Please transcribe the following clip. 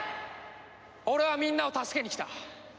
俺はみんなを助けに来た。